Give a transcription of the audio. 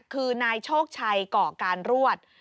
คือนายโชคชัยก่อการรวด